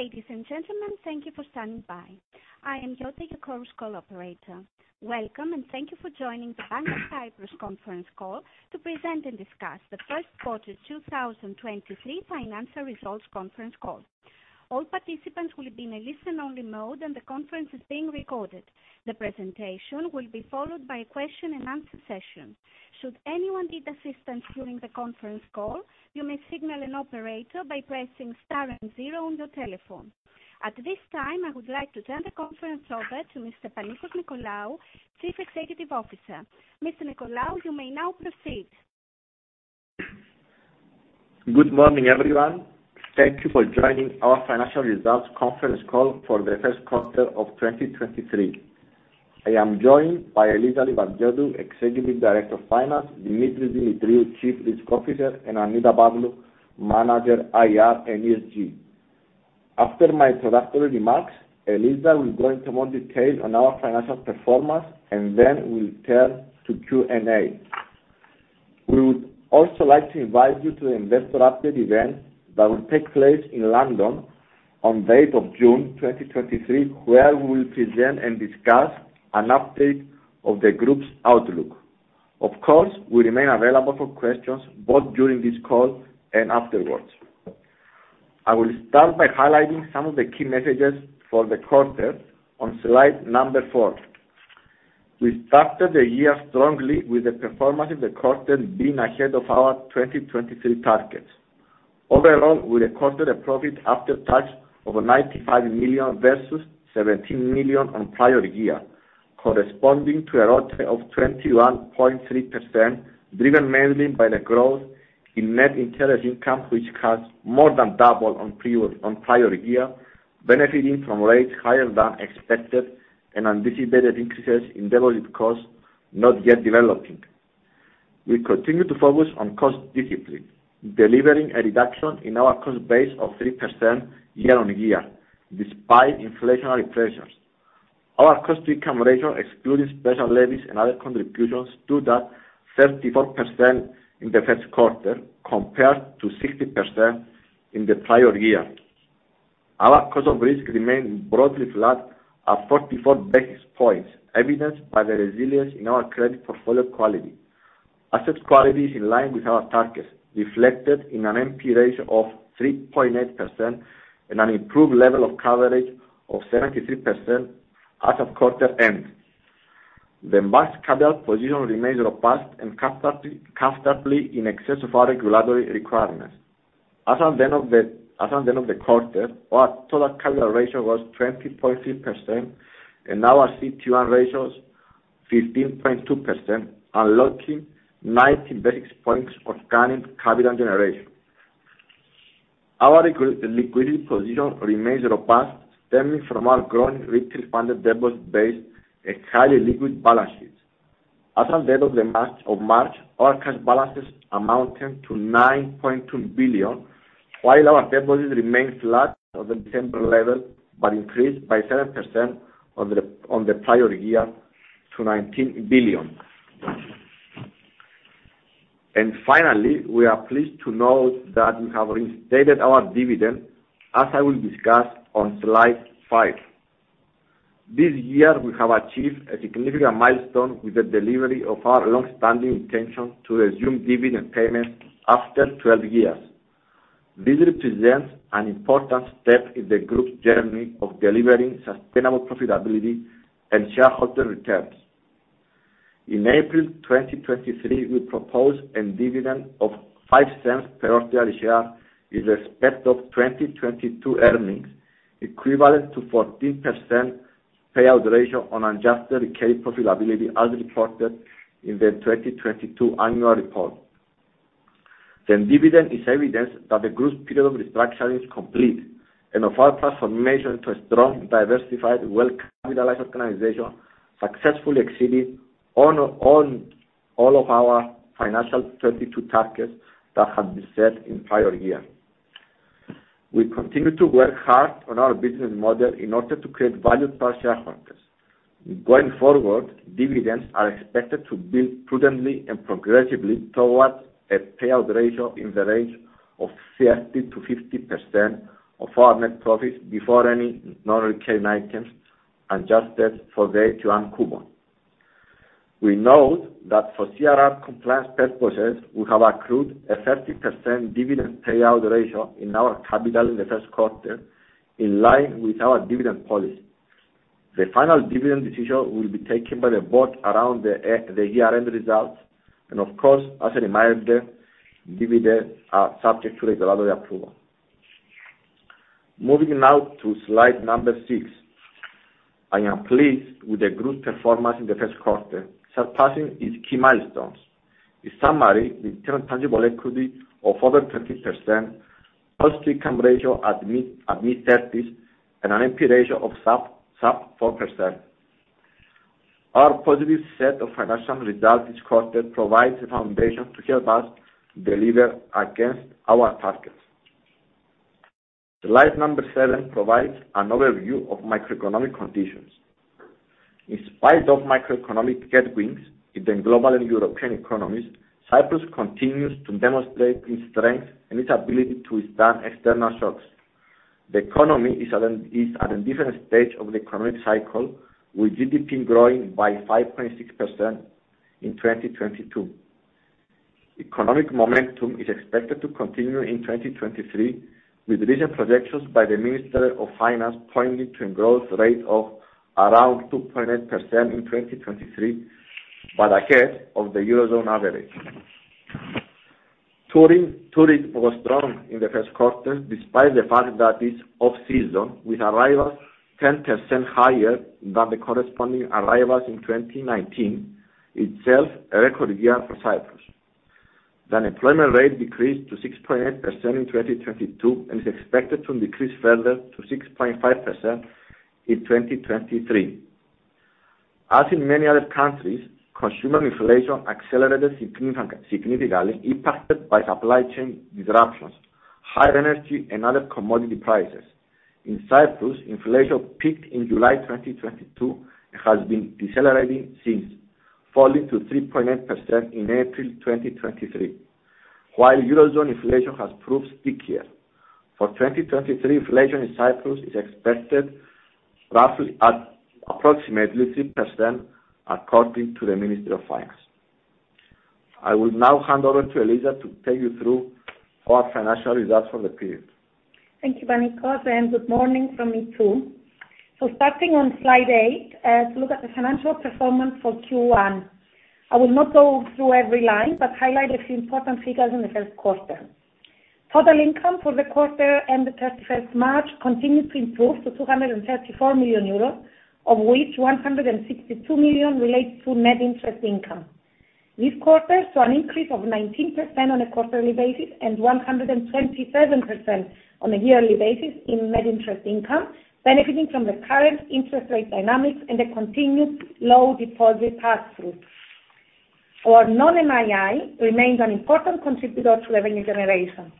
Ladies and gentlemen, thank you for standing by. I am Yota, your chorus call operator. Welcome, and thank you for joining the Bank of Cyprus conference call to present and discuss the first quarter 2023 financial results conference call. All participants will be in a listen-only mode, and the conference is being recorded. The presentation will be followed by a question-and-answer session. Should anyone need assistance during the conference call, you may signal an operator by pressing star and zero on your telephone. At this time, I would like to turn the conference over to Mr. Panicos Nicolaou, Chief Executive Officer. Mr. Nicolaou, you may now proceed. Good morning, everyone. Thank you for joining our financial results conference call for the first quarter of 2023. I am joined by Eliza Livadiotou, Executive Director Finance, Demetris Demetriou, Chief Risk Officer, and Annita Pavlou, Manager IR and ESG. After my introductory remarks, Eliza will go into more detail on our financial performance, then we'll turn to Q&A. We would also like to invite you to the investor update event that will take place in London on the 8th of June 2023, where we will present and discuss an update of the group's outlook. Of course, we remain available for questions both during this call and afterwards. I will start by highlighting some of the key messages for the quarter on slide number four. We started the year strongly with the performance of the quarter being ahead of our 2023 targets. Overall, we recorded a profit after tax of 95 million versus 17 million on prior year, corresponding to a return of 21.3%, driven mainly by the growth in net interest income, which has more than doubled on prior year, benefiting from rates higher than expected and anticipated increases in deposit costs not yet developing. We continue to focus on cost discipline, delivering a reduction in our cost base of 3% year-on-year, despite inflationary pressures. Our cost-to-income ratio, excluding special levies and other contributions, stood at 34% in the first quarter, compared to 60% in the prior year. Our cost of risk remained broadly flat at 44 basis points, evidenced by the resilience in our credit portfolio quality. Asset quality is in line with our targets, reflected in an NPE ratio of 3.8% and an improved level of coverage of 73% as of quarter end. The bank's capital position remains robust and comfortably in excess of our regulatory requirements. As at the end of the quarter, our total capital ratio was 20.3% and our CET1 ratios 15.2%, unlocking 90 basis points of current capital generation. Our liquidity position remains robust, stemming from our growing retail funded deposit base and highly liquid balance sheets. As at the end of the month of March, our cash balances amounted to 9.2 billion, while our deposits remained flat at the December level, but increased by 7% on the prior year to 19 billion. Finally, we are pleased to note that we have reinstated our dividend, as I will discuss on slide five. This year, we have achieved a significant milestone with the delivery of our long-standing intention to resume dividend payments after 12 years. This represents an important step in the group's journey of delivering sustainable profitability and shareholder returns. In April 2023, we proposed a dividend of 0.05 per ordinary share with respect of 2022 earnings, equivalent to 14% payout ratio on adjusted carried profitability as reported in the 2022 annual report. The dividend is evidence that the group's period of restructuring is complete and of our transformation to a strong, diversified, well-capitalized organization successfully exceeded all of our financial 22 targets that had been set in prior year. We continue to work hard on our business model in order to create value per shareholders. Going forward, dividends are expected to build prudently and progressively towards a payout ratio in the range of 30%-50% of our net profits before any non-recurring items adjusted for the year-end coupon. We note that for CRR compliance purposes, we have accrued a 30% dividend payout ratio in our capital in the first quarter, in line with our dividend policy. The final dividend decision will be taken by the board around the year-end results. Of course, as a reminder, dividend are subject to regulatory approval. Moving now to slide number six. I am pleased with the group's performance in the first quarter, surpassing its key milestones. In summary, return on tangible equity of over 13%, cost-to-income ratio at mid-thirties, and an NPE ratio of sub 4%. Our positive set of financial results this quarter provides a foundation to help us deliver against our targets. Slide number seven provides an overview of microeconomic conditions. In spite of macroeconomic headwinds in the global and European economies, Cyprus continues to demonstrate its strength and its ability to withstand external shocks. The economy is at a different stage of the economic cycle, with GDP growing by 5.6% in 2022. Economic momentum is expected to continue in 2023, with recent projections by the Minister of Finance pointing to a growth rate of around 2.8% in 2023, ahead of the Eurozone average. Touring, tourism was strong in the first quarter, despite the fact that it's off-season, with arrivals 10% higher than the corresponding arrivals in 2019, itself a record year for Cyprus. The unemployment rate decreased to 6.8% in 2022 and is expected to decrease further to 6.5% in 2023. As in many other countries, consumer inflation accelerated significantly impacted by supply chain disruptions, higher energy and other commodity prices. In Cyprus, inflation peaked in July 2022 and has been decelerating since, falling to 3.8% in April 2023. While Eurozone inflation has proved stickier. For 2023, inflation in Cyprus is expected roughly at approximately 3% according to the Ministry of Finance. I will now hand over to Eliza to take you through our financial results for the period. Thank you, Panicos, and good morning from me, too. Starting on slide eight, to look at the financial performance for Q1. I will not go through every line, but highlight a few important figures in the first quarter. Total income for the quarter and the 31st March continued to improve to 234 million euros, of which 162 million relates to net interest income. This quarter saw an increase of 19% on a quarterly basis and 127% on a yearly basis in net interest income, benefiting from the current interest rate dynamics and the continued low deposit pass-through. Our non-NII remains an important contributor to revenue generation.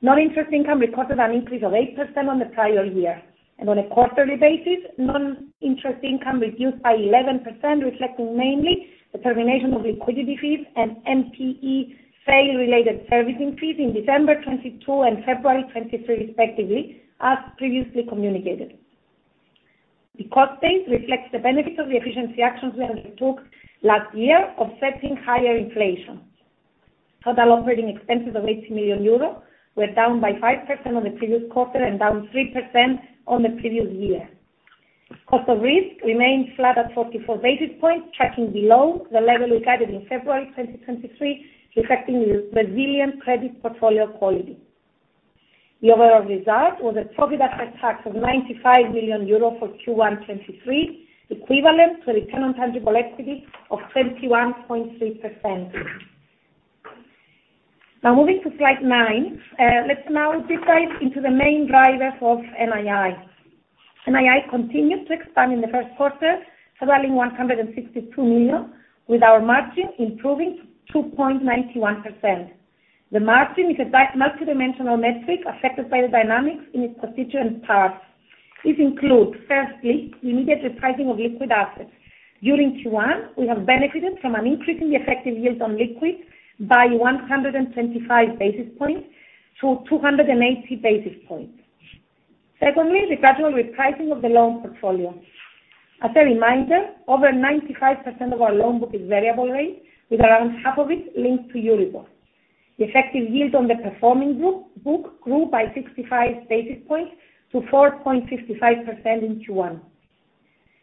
Non-interest income recorded an increase of 8% on the prior year, on a quarterly basis, non-interest income reduced by 11%, reflecting mainly the termination of liquidity fees and NPE sale related service increase in December 2022 and February 2023 respectively, as previously communicated. The cost base reflects the benefits of the efficiency actions we undertook last year, offsetting higher inflation. Total operating expenses of 80 million euros were down by 5% on the previous quarter and down 3% on the previous year. Cost of risk remains flat at 44 basis points, tracking below the level we guided in February 2023, reflecting the resilient credit portfolio quality. The overall result was a profit after tax of 95 million euro for Q1 2023, equivalent to Return on tangible equity of 21.3%. Moving to slide nine. Let's now deep dive into the main drivers of NII. NII continued to expand in the first quarter, totaling 162 million, with our margin improving to 2.91%. The margin is a multidimensional metric affected by the dynamics in its constituent parts. This includes, firstly, immediate repricing of liquid assets. During Q1, we have benefited from an increase in the effective yield on liquids by 125 basis points to 280 basis points. Secondly, the gradual repricing of the loan portfolio. As a reminder, over 95% of our loan book is variable rate, with around half of it linked to EURIBOR. The effective yield on the performing book grew by 65 basis points to 4.55% in Q1.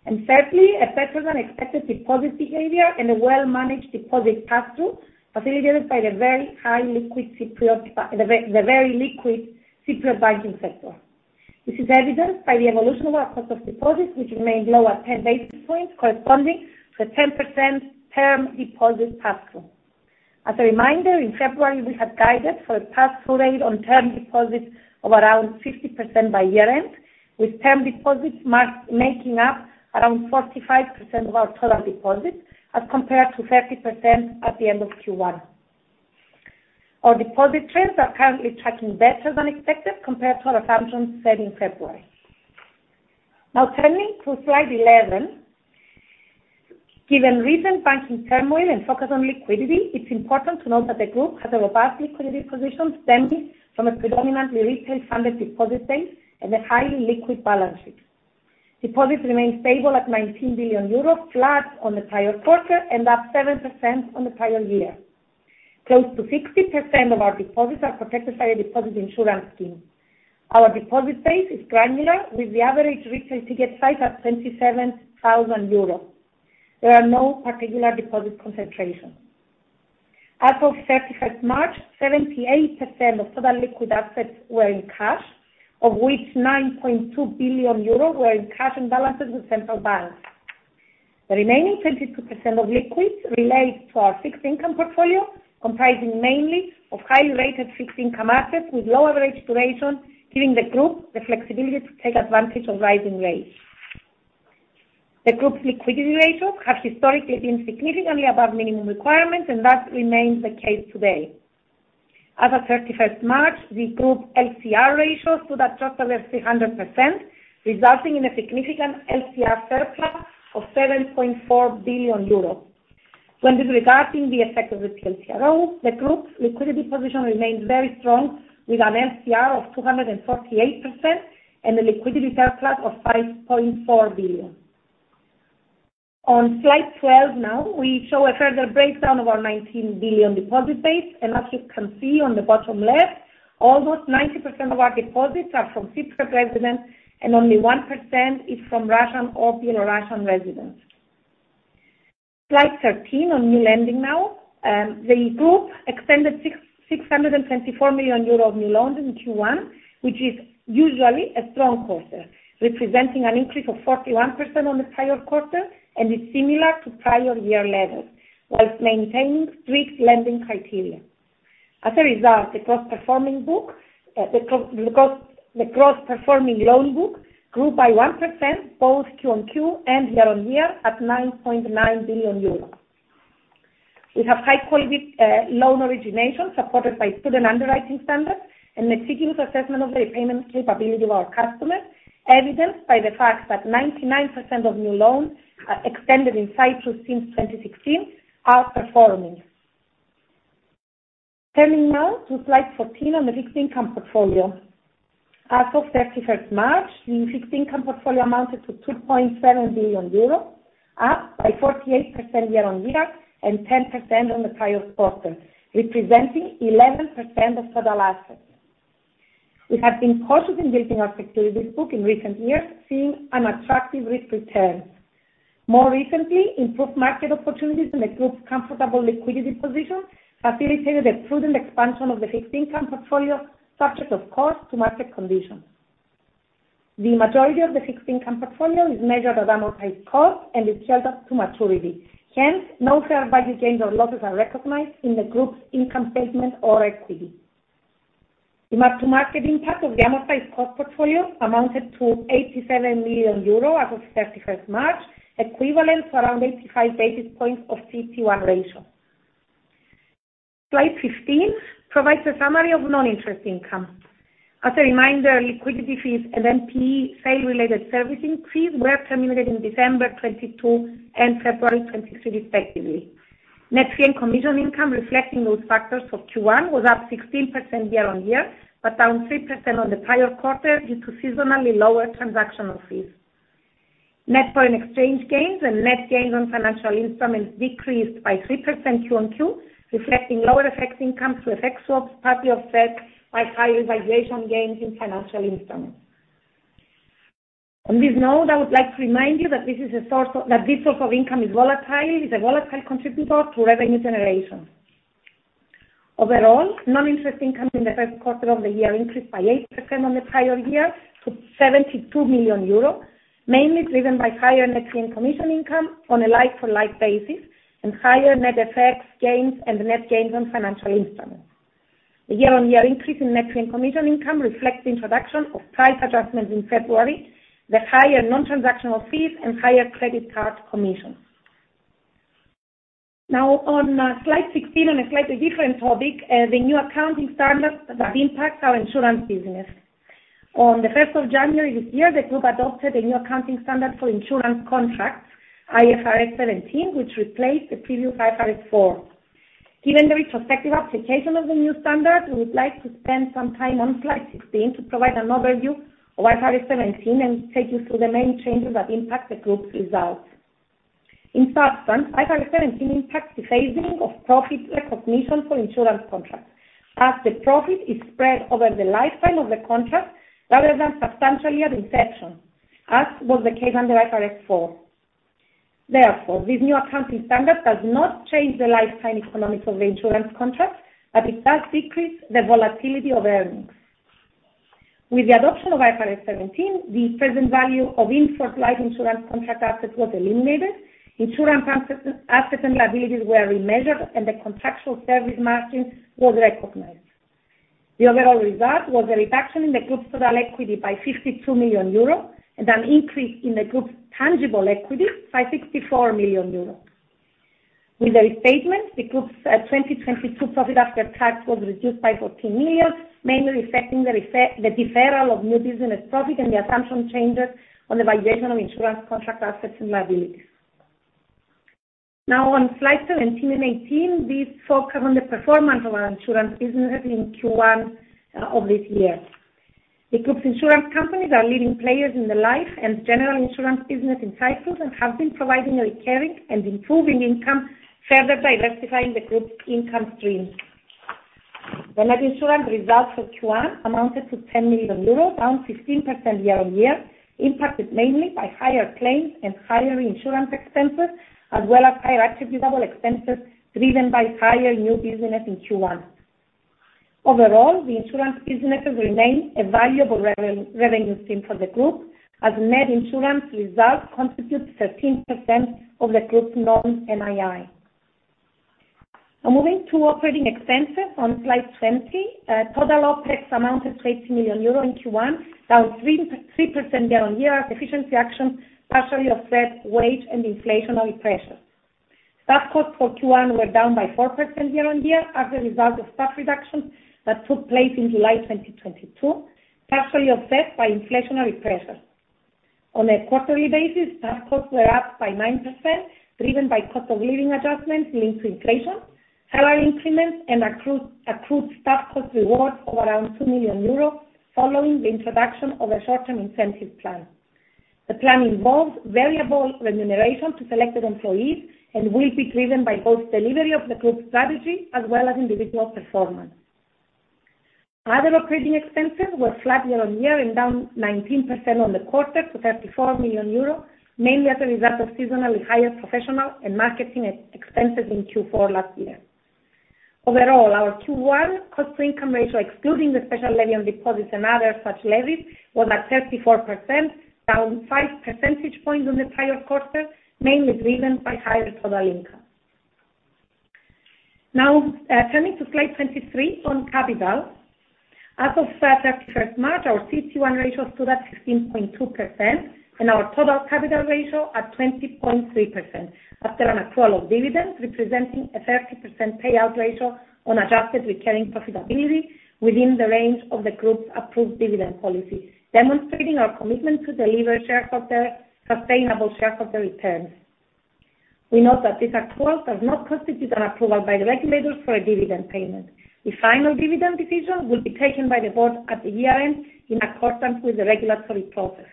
Thirdly, a better than expected deposit behavior and a well-managed deposit pass-through, facilitated by the very liquid Cypriot banking sector. This is evidenced by the evolution of our cost of deposits, which remained low at 10 basis points, corresponding to a 10% term deposit pass-through. As a reminder, in February, we have guided for a pass-through rate on term deposits of around 50% by year-end, with term deposits making up around 45% of our total deposits, as compared to 30% at the end of Q1. Our deposit trends are currently tracking better than expected compared to our assumptions set in February. Turning to slide 11. Given recent banking turmoil and focus on liquidity, it's important to note that the group has a robust liquidity position stemming from a predominantly retail-funded deposit base and a highly liquid balance sheet. Deposits remain stable at 19 billion euros, flat on the prior quarter and up 7% on the prior year. Close to 60% of our deposits are protected by a deposit insurance scheme. Our deposit base is granular, with the average retail ticket size at 27,000 euros. There are no particular deposit concentrations. As of 31st March, 78% of total liquid assets were in cash, of which 9.2 billion euros were in cash and balances with central banks. The remaining 22% of liquids relate to our fixed income portfolio, comprising mainly of highly rated fixed income assets with low average duration, giving the group the flexibility to take advantage of rising rates. That remains the case today. As of 31st March, the group LCR ratios stood at total of 300%, resulting in a significant LCR surplus of 7.4 billion euros. When disregarding the effect of the TLTRO, the group's liquidity position remains very strong, with an LCR of 248% and a liquidity surplus of 5.4 billion. On slide 12 now, we show a further breakdown of our 19 billion deposit base. As you can see on the bottom left, almost 90% of our deposits are from Cypriot residents and only 1% is from Russian or Belarusian residents. Slide 13 on new lending now. The group extended 624 million euros of new loans in Q1, which is usually a strong quarter, representing an increase of 41% on the prior quarter and is similar to prior year levels, whilst maintaining strict lending criteria. As a result, the gross performing loan book grew by 1% both Q on Q and year-on-year at 9.9 billion euros. We have high quality loan origination supported by prudent underwriting standards and the seeking assessment of the repayment capability of our customers, evidenced by the fact that 99% of new loans extended in Cyprus since 2016 are performing. Turning now to slide 14 on the fixed income portfolio. As of 31st March, the fixed income portfolio amounted to 2.7 billion euros, up by 48% year-on-year and 10% on the prior quarter, representing 11% of total assets. We have been cautious in building our securities book in recent years, seeing an attractive risk return. More recently, improved market opportunities in the group's comfortable liquidity position facilitated a prudent expansion of the fixed income portfolio, subject of course to market conditions. The majority of the fixed income portfolio is measured at amortized cost and is held up to maturity. No fair value gains or losses are recognized in the group's income statement or equity. The mark to market impact of the amortized cost portfolio amounted to 87 million euro as of 31st March, equivalent to around 85 basis points of CET1 ratio. Slide 15 provides a summary of non-interest income. As a reminder, liquidity fees and NPE sale related servicing fees were terminated in December 2022 and February 2023 respectively. Net fee and commission income reflecting those factors for Q1 was up 16% year-on-year. Down 3% on the prior quarter due to seasonally lower transactional fees. Net foreign exchange gains and net gains on financial instruments decreased by 3% Q-on-Q, reflecting lower FX incomes to FX swaps, partly offset by higher valuation gains in financial instruments. On this note, I would like to remind you that this source of income is volatile, is a volatile contributor to revenue generation. Overall, non-interest income in the first quarter of the year increased by 8% on the prior year to 72 million euros, mainly driven by higher net fee and commission income on a like-to-like basis and higher net FX gains and net gains on financial instruments. The year-on-year increase in net fee and commission income reflects the introduction of price adjustments in February, the higher non-transactional fees, and higher credit card commissions. Now on slide 16 on a slightly different topic, the new accounting standard that impacts our insurance business. On January 1st this year, the group adopted a new accounting standard for insurance contracts, IFRS 17, which replaced the previous IFRS 4. Given the retrospective application of the new standard, we would like to spend some time on slide 16 to provide an overview of IFRS 17 and take you through the main changes that impact the group's results. In substance, IFRS 17 impacts the phasing of profit recognition for insurance contracts, as the profit is spread over the lifetime of the contract rather than substantially at inception, as was the case under IFRS 4. Therefore, this new accounting standard does not change the lifetime economics of the insurance contract, but it does decrease the volatility of earnings. With the adoption of IFRS 17, the present value of in-force life insurance contract assets was eliminated, insurance assets and liabilities were remeasured, and the contractual service margin was recognized. The overall result was a reduction in the group's total equity by 52 million euro and an increase in the group's tangible equity by 64 million euro. With the restatement, the group's 2022 profit after tax was reduced by 14 million, mainly reflecting the deferral of new business profit and the assumption changes on the valuation of insurance contract assets and liabilities. On slide 17 and 18, these focus on the performance of our insurance business in Q1 of this year. The group's insurance companies are leading players in the life and general insurance business in Cyprus and have been providing a recurring and improving income, further diversifying the group's income stream. The net insurance results for Q1 amounted to 10 million euros, down 15% year-on-year, impacted mainly by higher claims and higher insurance expenses, as well as higher attributable expenses driven by higher new business in Q1. Overall, the insurance businesses remain a valuable revenue stream for the group, as net insurance results constitute 13% of the group's non-NII. Moving to operating expenses on slide 20. Total OpEx amounted 30 million euro in Q1, down 3% year-on-year as efficiency actions partially offset wage and inflationary pressures. Staff costs for Q1 were down by 4% year-on-year as a result of staff reductions that took place in July 2022, partially offset by inflationary pressures. On a quarterly basis, staff costs were up by 9%, driven by cost of living adjustments linked to inflation, salary increments, and accrued staff cost rewards of around 2 million euros following the introduction of a short term incentive plan. The plan involves variable remuneration to selected employees and will be driven by both delivery of the group strategy as well as individual performance. Other operating expenses were flat year-on-year and down 19% on the quarter to 34 million euro, mainly as a result of seasonally higher professional and marketing expenses in Q4 last year. Overall, our Q1 cost-to-income ratio, excluding the special levy on deposits and other such levies, was at 34%, down five percentage points on the prior quarter, mainly driven by higher total income. Turning to slide 23 on capital. As of February, 31st March, our CET1 ratio stood at 16.2% and our total capital ratio at 20.3% after an accrual of dividend representing a 30% payout ratio on adjusted recurring profitability within the range of the group's approved dividend policy, demonstrating our commitment to deliver sustainable shareholder returns. We note that this accrual does not constitute an approval by the regulators for a dividend payment. The final dividend decision will be taken by the board at the year-end in accordance with the regulatory process.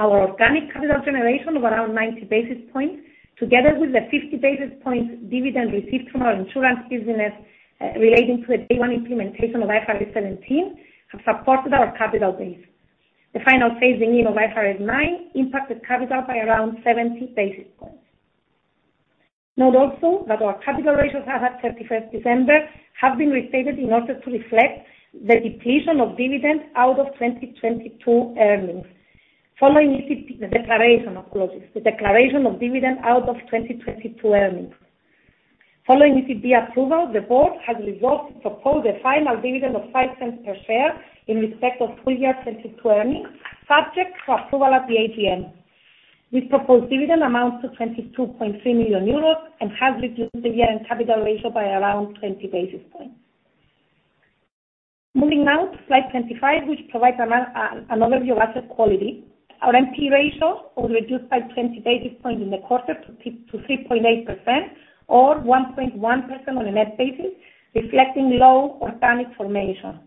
Our organic capital generation of around 90 basis points, together with the 50 basis points dividend received from our insurance business, relating to the day one implementation of IFRS 17, have supported our capital base. The final phasing in of IFRS 9 impacted capital by around 70 basis points. Note also that our capital ratios as at 31st December have been restated in order to reflect the depletion of dividends out of 2022 earnings. Following EC, declaration, apologies. The declaration of dividend out of 2022 earnings. Following ECB approval, the board has resolved to propose a final dividend of 0.05 per share in respect of full year 2022 earnings, subject to approval at the AGM. This proposed dividend amounts to 22.3 million euros and has reduced the year-end capital ratio by around 20 basis points. Moving now to slide 25, which provides an overview of asset quality. Our NPE ratio was reduced by 20 basis points in the quarter to 3.8% or 1.1% on a net basis, reflecting low organic formation.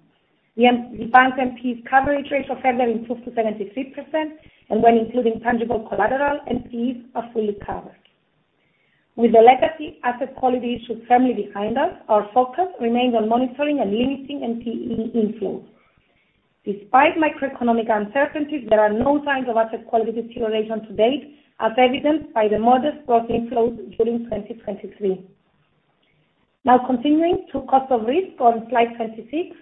The bank's NPE coverage ratio further improved to 73%, and when including tangible collateral, NPEs are fully covered. With the legacy asset quality issue firmly behind us, our focus remains on monitoring and limiting NPE inflows. Despite microeconomic uncertainties, there are no signs of asset quality deterioration to date, as evidenced by the modest gross inflows during 2023. Continuing to cost of risk on slide 26.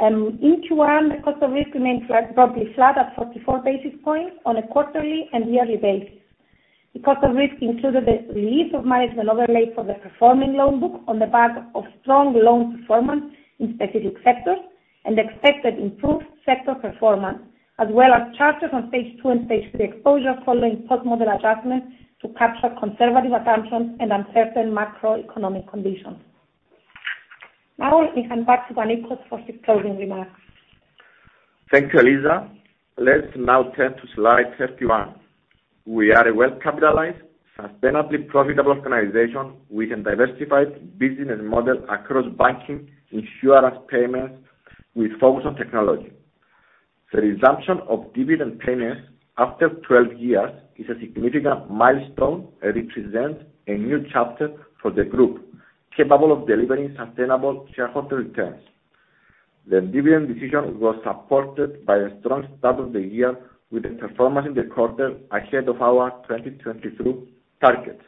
In Q1, the cost of risk remained roughly flat at 44 basis points on a quarterly and yearly basis. The cost of risk included the release of management overlay for the performing loan book on the back of strong loan performance in specific sectors and expected improved sector performance, as well as charges on Stage 2 and Stage 3 exposure following post-model adjustments to capture conservative assumptions and uncertain macroeconomic conditions. Now, let me hand back to Panikos for his closing remarks. Thank you, Eliza. Let's now turn to slide 31. We are a well-capitalized, sustainably profitable organization with a diversified business model across banking, insurance, payments, with focus on technology. The resumption of dividend payments after 12 years is a significant milestone and represents a new chapter for the group capable of delivering sustainable shareholder returns. The dividend decision was supported by a strong start of the year with the performance in the quarter ahead of our 2022 targets.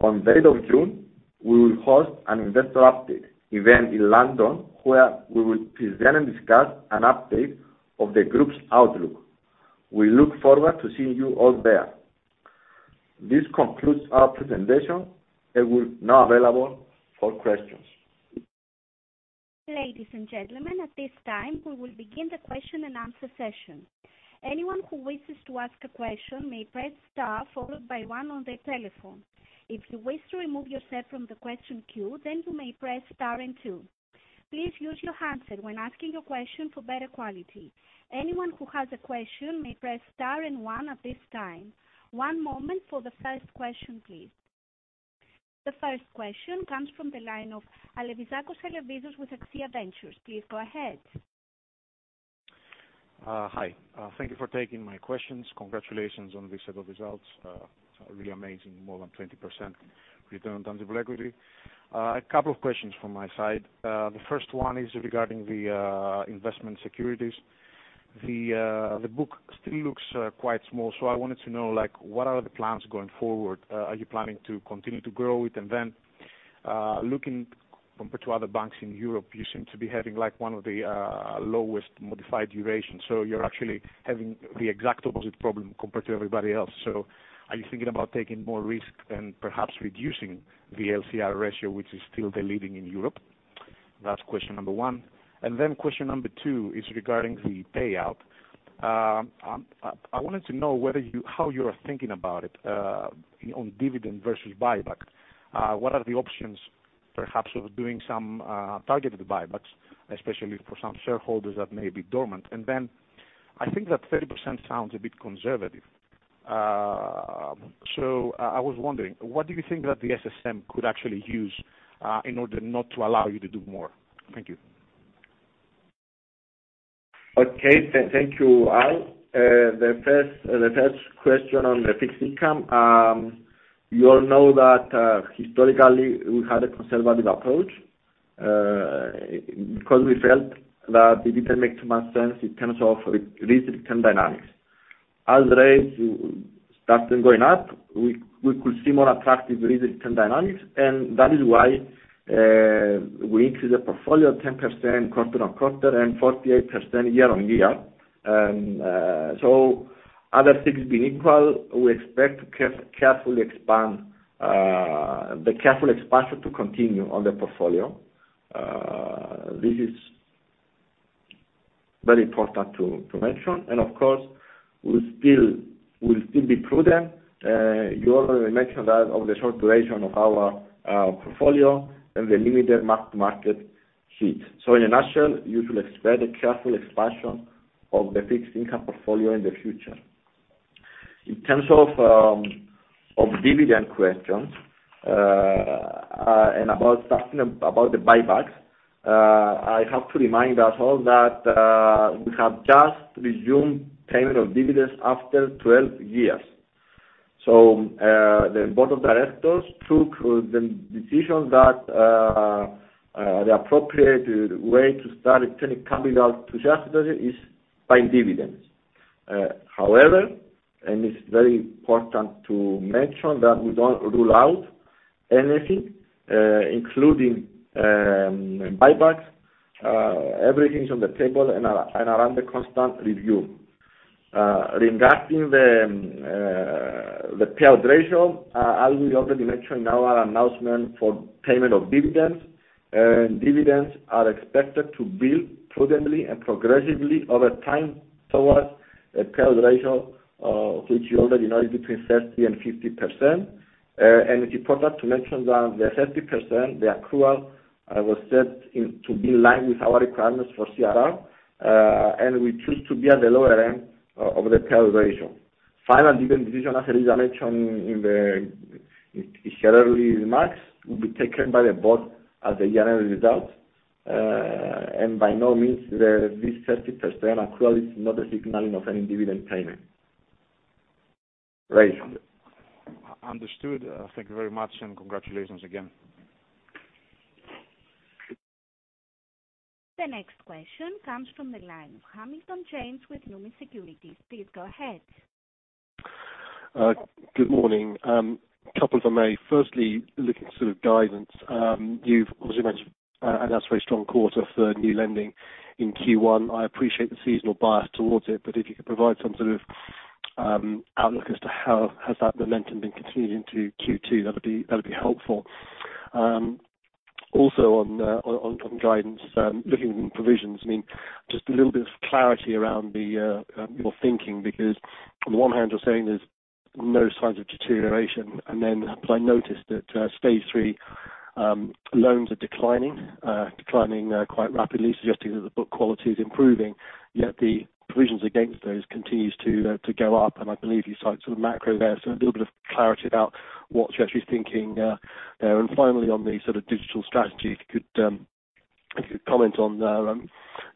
On the 8th of June, we will host an investor update event in London, where we will present and discuss an update of the group's outlook. We look forward to seeing you all there. This concludes our presentation, and we're now available for questions. Ladies and gentlemen, at this time, we will begin the question and answer session. Anyone who wishes to ask a question may press star followed by one on their telephone. If you wish to remove yourself from the question queue, you may press star and two. Please use your handset when asking a question for better quality. Anyone who has a question may press star and one at this time. One moment for the first question, please. The first question comes from the line of Alevizos Alevizakos with AXIA Ventures. Please go ahead. Hi. Thank you for taking my questions. Congratulations on this set of results. It's really amazing, more than 20% return on the equity. A couple of questions from my side. The first one is regarding the investment securities. The book still looks quite small, I wanted to know, like, what are the plans going forward? Are you planning to continue to grow it? Looking compared to other banks in Europe, you seem to be having, like, one of the lowest modified durations. You're actually having the exact opposite problem compared to everybody else. Are you thinking about taking more risk and perhaps reducing the LCR ratio, which is still the leading in Europe? That's question number one. Question number two is regarding the payout. I wanted to know how you are thinking about it on dividend versus buyback. What are the options perhaps of doing some targeted buybacks, especially for some shareholders that may be dormant? I think that 30% sounds a bit conservative. I was wondering, what do you think that the SSM could actually use in order not to allow you to do more? Thank you. Okay. Thank you, Al. The first question on the fixed income. You all know that historically, we had a conservative approach because we felt that it didn't make too much sense in terms of re-risk and dynamics. As rates started going up, we could see more attractive risk and dynamics, that is why we increased the portfolio 10% quarter-on-quarter and 48% year-on-year. Other things being equal, we expect to carefully expand the careful expansion to continue on the portfolio. This is very important to mention. Of course, we'll still be prudent. You already mentioned that of the short duration of our portfolio and the limited market heat. In a nutshell, you should expect a careful expansion of the fixed income portfolio in the future. In terms of dividend questions, and about talking about the buybacks, I have to remind us all that, we have just resumed payment of dividends after 12 years. The board of directors took the decision that, the appropriate way to start returning capital to shareholders is by dividends. However, and it's very important to mention that we don't rule out anything, including, buybacks. Everything is on the table and are under constant review. Regarding the payout ratio, as we already mentioned in our announcement for payment of dividends, and dividends are expected to build prudently and progressively over time towards a payout ratio, which you already know is between 30% and 50%. It's important to mention that the 30%, the accrual, was set in to be in line with our requirements for CRR, and we choose to be at the lower end of the payout ratio. Final dividend decision, as Eliza mentioned in his earlier remarks, will be taken by the board as the annual results. By no means, this 30% accrual is not a signaling of any dividend payment ratio. Understood. Thank you very much, and congratulations again. The next question comes from the line of Hamilton James with Numis Securities. Please go ahead. Good morning. Couple if I may. Firstly, looking at sort of guidance, you've obviously mentioned that's very strong quarter for new lending in Q1. I appreciate the seasonal bias towards it, but if you could provide some sort of outlook as to how has that momentum been continuing to Q2, that'd be helpful. Also on guidance, looking at provisions, I mean, just a little bit of clarity around your thinking, because on the one hand, you're saying there's no signs of deterioration, then I noticed that Stage 3 loans are declining quite rapidly, suggesting that the book quality is improving, yet the provisions against those continues to go up. I believe you cited some macro there, so a little bit of clarity about what you're actually thinking there. Finally, on the sort of digital strategy, if you could, if you could comment on,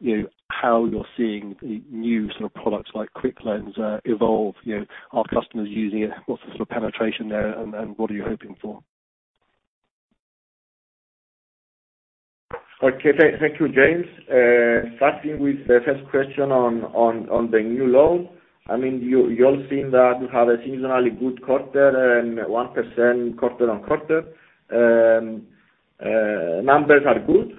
you know, how you're seeing the new sort of products like Quick Loans evolve, you know, are customers using it? What's the sort of penetration there and what are you hoping for? Okay. Thank you, James. Starting with the first question on the new loan. I mean, you all seen that we have a seasonally good quarter and 1% quarter-on-quarter. Numbers are good,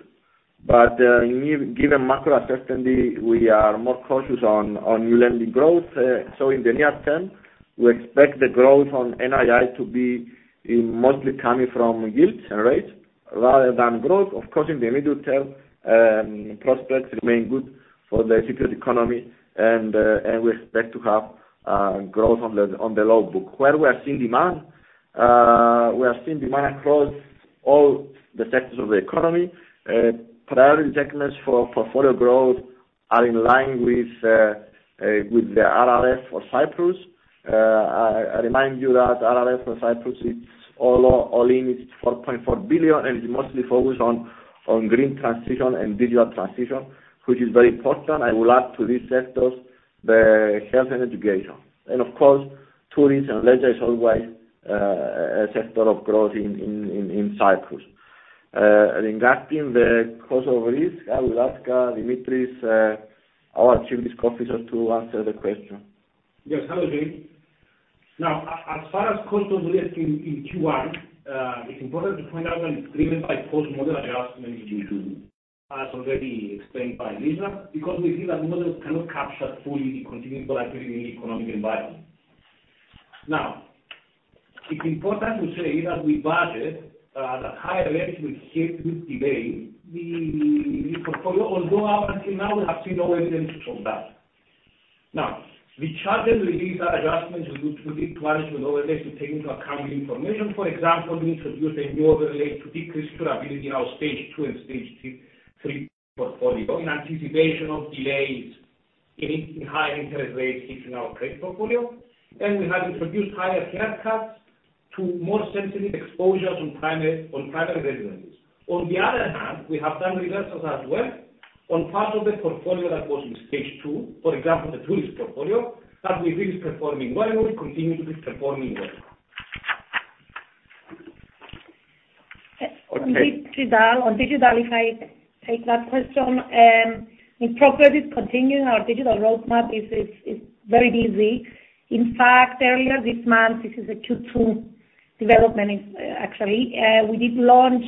given macro uncertainty, we are more cautious on new lending growth. In the near term, we expect the growth on NII to be mostly coming from yields and rates rather than growth. Of course, in the medium term, prospects remain good for the security economy and we expect to have growth on the loan book. Where we are seeing demand, we are seeing demand across all the sectors of the economy. Priority checklists for portfolio growth are in line with the RRF for Cyprus. I remind you that RRF for Cyprus, it's all in, it's 4.4 billion, and it's mostly focused on green transition and digital transition, which is very important. I will add to these sectors, the health and education. Of course, tourism and leisure is always a sector of growth in Cyprus. Regarding the cost of risk, I will ask Dimitris, our Chief Risk Officer, to answer the question. Yes. Hello, James. Now, as far as cost of risk in Q1, it's important to point out an agreement by post-model adjustment due to, as already explained by Eliza, because we feel that model cannot capture fully the continuing volatility in the economic environment. It's important to say that we budget the higher rates will hit with delay. We, although up until now, we have seen no evidence from that. We charged with these adjustments, we did manage with overlays to take into account the information. For example, we introduced a new overlay to decrease vulnerability in our Stage 2 and Stage 3 portfolio in anticipation of delays in higher interest rates hitting our credit portfolio. We have introduced higher haircuts to more sensitive exposures on primary residencies. On the other hand, we have done reversals as well on part of the portfolio that was in Stage 2, for example, the tourist portfolio that we've been performing well, and will continue to be performing well. On digital, if I take that question, the progress is continuing. Our digital roadmap is very busy. In fact, earlier this month, this is a Q2 development, we did launch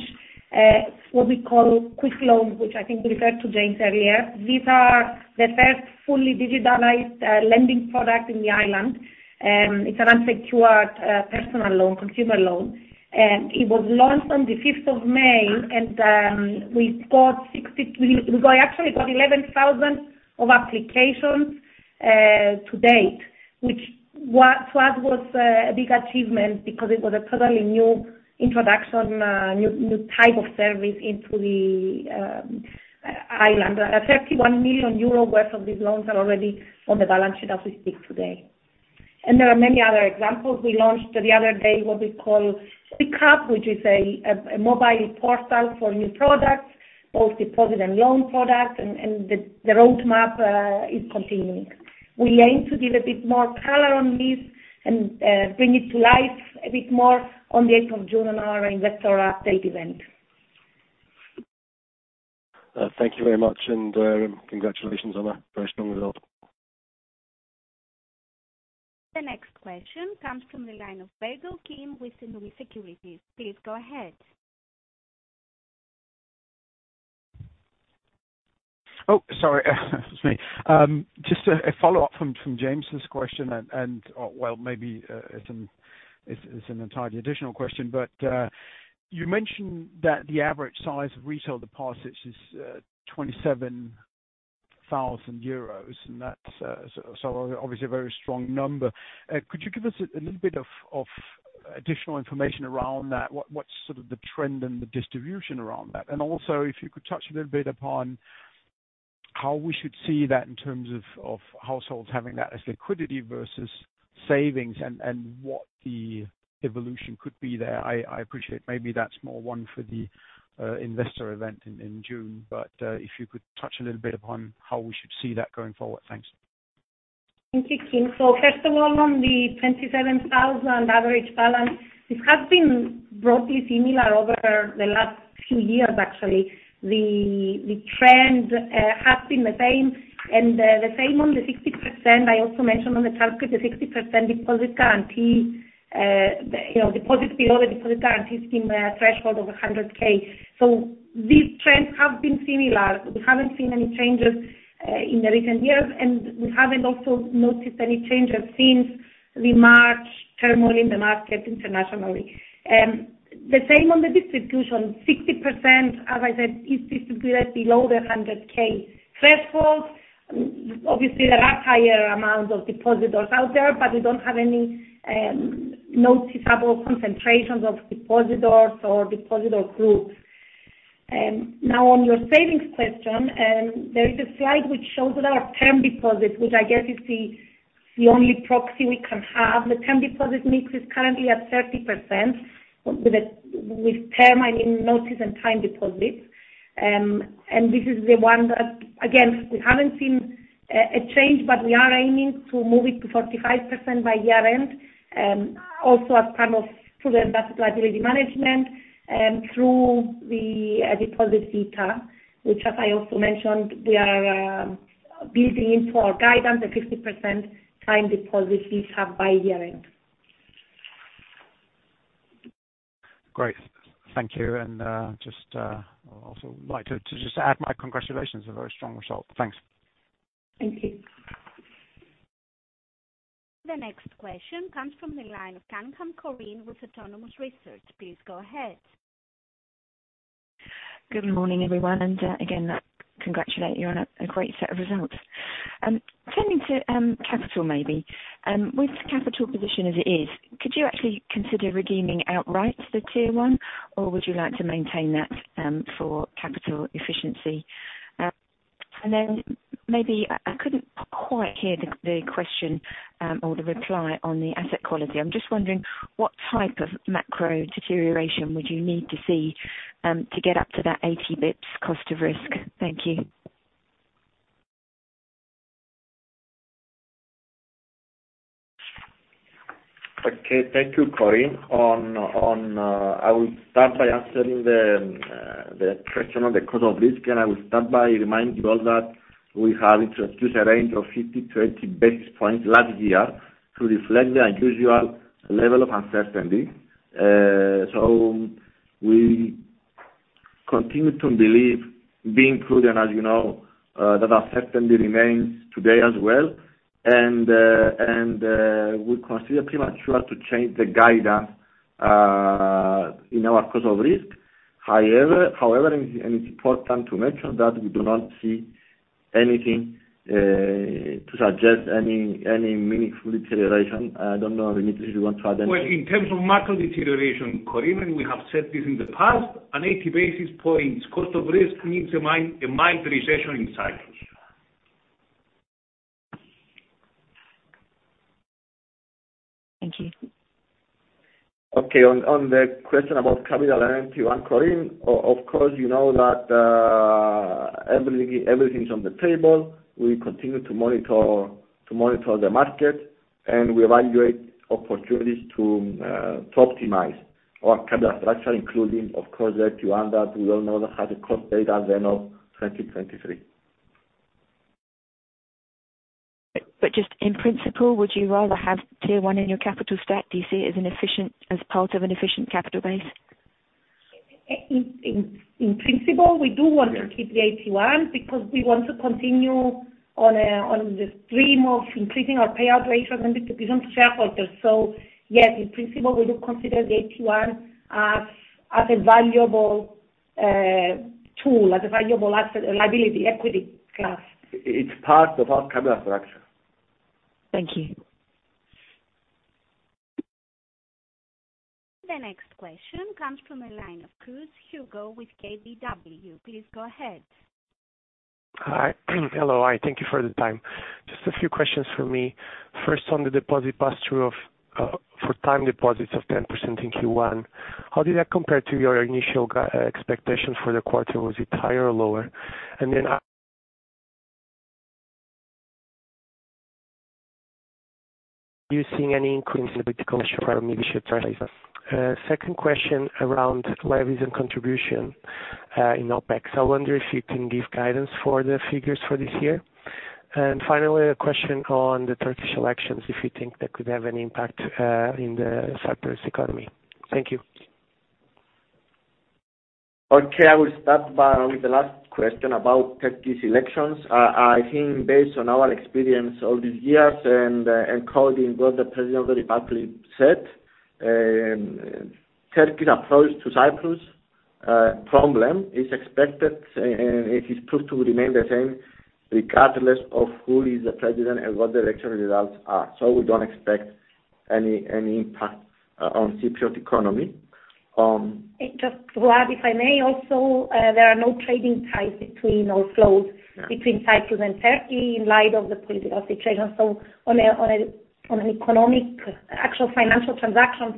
what we call Quick Loans, which I think referred to James earlier. These are the first fully digitalized lending product in the island. It's an unsecured personal loan, consumer loan. It was launched on the fifth of May. We actually got 11,000 of applications to date, which to us was a big achievement because it was a totally new introduction, new type of service into the island. 31 million euro worth of these loans are already on the balance sheet as we speak today. There are many other examples. We launched the other day, what we call Quick Cup, which is a mobile portal for new products, both deposit and loan products, and the roadmap is continuing. We aim to give a bit more color on this and bring it to life a bit more on the 8th of June on our investor update event. Thank you very much, congratulations on a very strong result. The next question comes from the line of King with the [unintelligible] Securities. Please go ahead. Oh, sorry, that's me. Just a follow-up from James's question. Well, maybe, it's an entirely additional question. You mentioned that the average size of retail deposits is 27,000 euros. That's so obviously a very strong number. Could you give us a little bit of additional information around that? What's sort of the trend and the distribution around that? Also, if you could touch a little bit upon how we should see that in terms of households having that as liquidity versus savings and what the evolution could be there. I appreciate maybe that's more one for the investor event in June. If you could touch a little bit upon how we should see that going forward. Thanks. Thank you, King. First of all, on the 27,000 average balance, this has been broadly similar over the last few years, actually. The trend has been the same and the same on the 60%. I also mentioned on the target, the 60% deposit guarantee, you know, deposit below the deposit guarantee is in the threshold of 100K. These trends have been similar. We haven't seen any changes in the recent years, and we haven't also noticed any changes since the March turmoil in the market internationally. The same on the distribution, 60%, as I said, is distributed below the 100K threshold. Obviously, there are higher amounts of depositors out there, but we don't have any noticeable concentrations of depositors or depositor groups. Now, on your savings question, there is a slide which shows our term deposits, which I guess is the only proxy we can have. The term deposit mix is currently at 30% with term, I mean, notice and time deposits. This is the one, again, we haven't seen a change, but we are aiming to move it to 45% by year-end. As part of through the asset liability management and through the deposit fee cap, which as I also mentioned, we are building in for our guidance, the 50% time deposit fees have by year-end. Great. Thank you. Just also like to just add my congratulations, a very strong result. Thanks. Thank you. The next question comes from the line of Corinne Cunningham with Autonomous Research. Please go ahead. Good morning, everyone, and again, congratulate you on a great set of results. Turning to capital maybe, with capital position as it is, could you actually consider redeeming outright the Tier 1, or would you like to maintain that for capital efficiency? And then maybe I couldn't quite hear the question, or the reply on the asset quality. I'm just wondering what type of macro deterioration would you need to see to get up to that 80 basis points cost of risk? Thank you. Okay. Thank you, Corinne. On, I will start by answering the question on the cost of risk. I will start by reminding you all that we have introduced a range of 50, 20 basis points last year to reflect the unusual level of uncertainty. We continue to believe being prudent, as you know, that certainly remains today as well, and we consider premature to change the guidance, in our cost of risk. However, and it's important to mention that we do not see anything, to suggest any meaningful deterioration. I don't know, Dimitris, if you want to add anything. Well, in terms of macro deterioration, Corinne, we have said this in the past, an 80 basis points cost of risk means a mild recession in Cyprus. Thank you. Okay. On the question about capital and Tier 1, Corinne, of course, you know that everything is on the table. We continue to monitor the market. We evaluate opportunities to optimize our capital structure, including of course the Tier 1 that we all know how the cost data at the end of 2023. Just in principle, would you rather have Tier 1 in your capital stack? Do you see it as an efficient, as part of an efficient capital base? In principle, we do want to keep the AT1 because we want to continue on the stream of increasing our payout ratio and the distribution to shareholders. Yes, in principle, we do consider the AT1 as a valuable tool, as a valuable asset, liability, equity class. It's part of our capital structure. Thank you. The next question comes from the line of Hugo Cruz with KBW. Please go ahead. Hi. Hello. Thank you for the time. Just a few questions for me. First, on the deposit pass-through of, for time deposits of 10% in Q1, how did that compare to your initial guide, expectations for the quarter? Was it higher or lower? Are you seeing any increase in political pressure, maybe should translate that? Second question around levies and contribution, in OpEx. I wonder if you can give guidance for the figures for this year. Finally, a question on the Turkish elections, if you think that could have any impact, in the Cyprus economy. Thank you. Okay, I will start with the last question about Turkish elections. I think based on our experience over these years and quoting what the president of the republic said, Turkey's approach to Cyprus problem is expected and it is proved to remain the same regardless of who is the president and what the election results are. We don't expect any impact on Cypriot economy. Just to add, if I may also, there are no trading ties between or flows between Cyprus and Turkey in light of the political situation. On an economic, actual financial transactions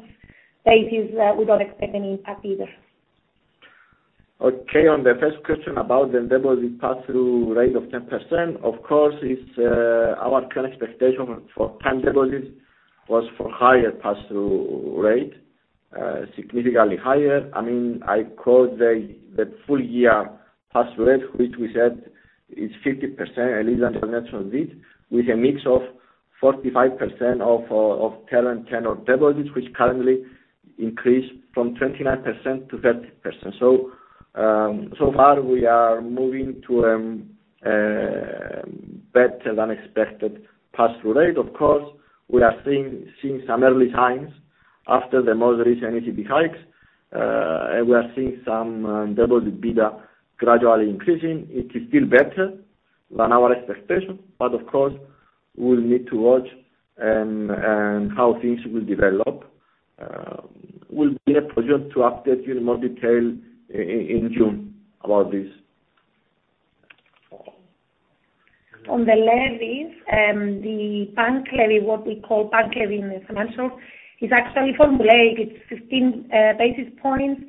basis, we don't expect any impact either. On the first question about the deposit pass-through rate of 10%, of course, it's our current expectation for time deposits was for higher pass-through rate, significantly higher. I mean, I quote the full year pass rate, which we said is 50% at least international rate, with a mix of 45% of current tenure deposits, which currently increased from 29% to 30%. So far we are moving to better than expected pass-through rate. Of course, we are seeing some early signs after the most recent ECB hikes. We are seeing some deposit beta gradually increasing. It is still better than our expectation, but of course, we'll need to watch and how things will develop. We'll be in a position to update you in more detail in June about this. On the levies, the bank levy, what we call bank levy in the financial is actually formulated. It's 15 basis points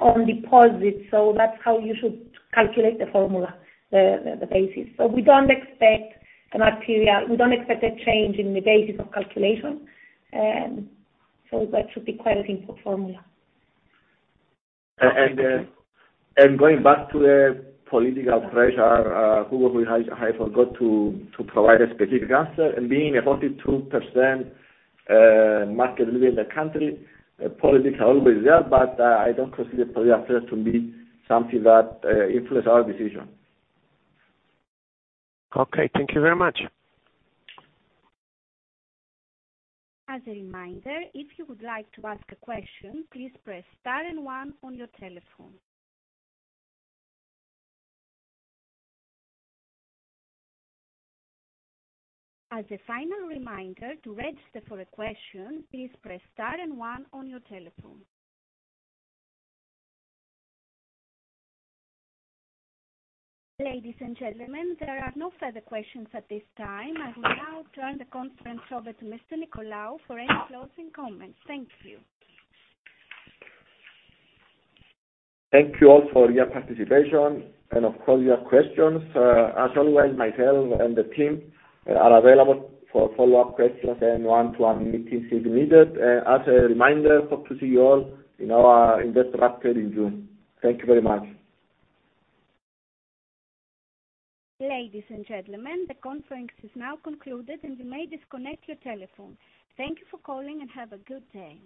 on deposits. That's how you should calculate the formula, the basis. We don't expect a material. We don't expect a change in the basis of calculation. That should be quite a simple formula. Going back to the political pressure, Hugo, we, I forgot to provide a specific answer. Being a 42% market living in the country, politics are always there, but I don't consider political affairs to be something that influence our decision. Okay, thank you very much. As a reminder, if you would like to ask a question, please press star and one on your telephone. As a final reminder, to register for a question, please press star and one on your telephone. Ladies and gentlemen, there are no further questions at this time. I will now turn the conference over to Mr. Nicolaou for any closing comments. Thank you. Thank you all for your participation and of course your questions. As always, myself and the team are available for follow-up questions and one-to-one meetings if needed. As a reminder, hope to see you all in our investor update in June. Thank you very much. Ladies and gentlemen, the conference is now concluded and you may disconnect your telephone. Thank you for calling and have a good day.